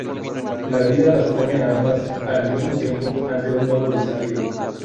La vida las pone a ambas, al mismo tiempo, ante un nuevo desafío.